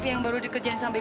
ya kamu juga kalau menarik